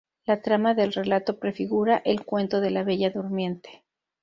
La trama del relato prefigura el cuento de la "Bella durmiente".